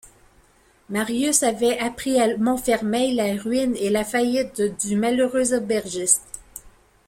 Marius avait appris à Montfermeil la ruine et la faillite du malheureux aubergiste.